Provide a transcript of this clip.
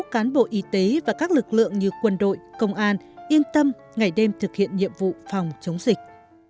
cán bộ y tế và các lực lượng như quân đội công an yên tâm ngày đêm thực hiện nhiệm vụ phòng chống dịch